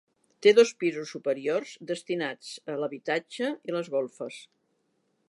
Té dos pisos superiors destinats a l'habitatge i les golfes.